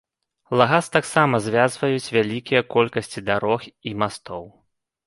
Лагас таксама звязваюць вялікая колькасць дарог і мастоў.